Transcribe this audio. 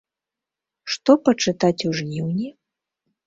Што пачытаць у жніўні?